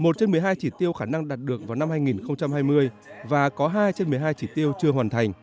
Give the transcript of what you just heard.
một trên một mươi hai chỉ tiêu khả năng đạt được vào năm hai nghìn hai mươi và có hai trên một mươi hai chỉ tiêu chưa hoàn thành